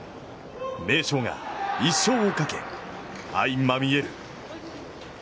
名将が１勝をかけ、相まみえる。